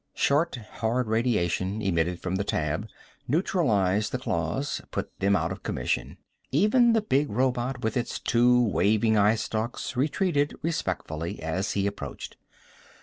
Short hard radiation emitted from the tab neutralized the claws, put them out of commission. Even the big robot with its two waving eyestalks retreated respectfully as he approached.